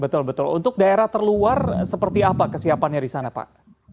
betul betul untuk daerah terluar seperti apa kesiapannya di sana pak